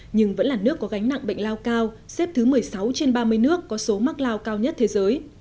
nhưng vẫn là nước có gánh nặng bệnh lao cao xếp thứ một mươi sáu trên ba mươi nước có số mắc lao cao nhất thế giới